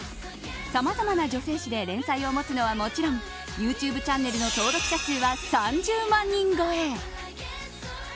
さまざまな女性誌で連載を持つのはもちろんＹｏｕＴｕｂｅチャンネルの登録者数は３０万人超え。